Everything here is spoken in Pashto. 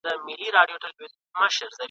او لا تر اوسه له پېړیو له سدیو وروسته !.